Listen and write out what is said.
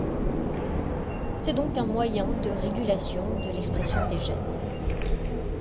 C'est donc un moyen de régulation de l'expression des gènes.